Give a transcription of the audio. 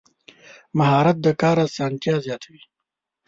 مهارت د کار اسانتیا زیاتوي.